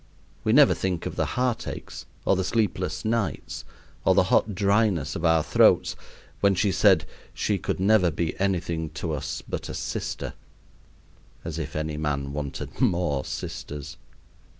We never think of the heartaches, or the sleepless nights, or the hot dryness of our throats, when she said she could never be anything to us but a sister as if any man wanted more sisters!